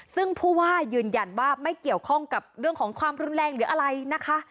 ซึ่งผู้ว่ายืนยันว่าไม่เกี่ยวข้องกับเรื่องของความรุนแรงหรืออะไรนะคะ